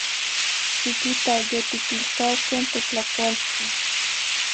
Xiquita, yotiquilcauhque totlacualtzi.